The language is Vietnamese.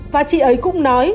và chị ấy cũng nói